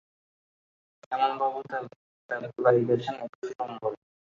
শ্যামলবাবু তেতলায় গেছেন একুশ লম্বরে।